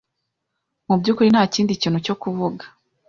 Mu byukuri nta kindi kintu cyo kuvuga.